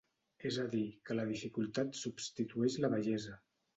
És a dir, que la dificultat substitueix la bellesa.